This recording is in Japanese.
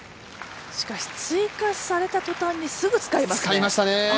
しかし、追加された途端にすぐ使いますね。